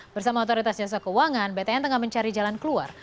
bersama otoritas jasa keuangan btn tengah mencari jalan keluar